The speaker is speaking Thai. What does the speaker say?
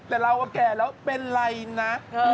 แต่เราก็แก่แล้วเป็นไรนะ